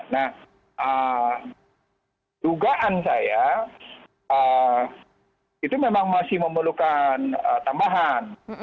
nah dugaan saya itu memang masih memerlukan tambahan